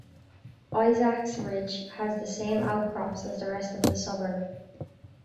Isaacs ridge has the same outcrops as the rest of the suburb.